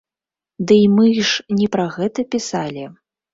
Дый мы ж не пра гэта пісалі!